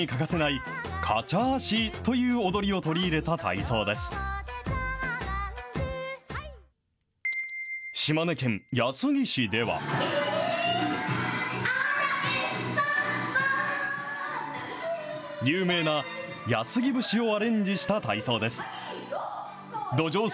有名な安来節をアレンジした体操です。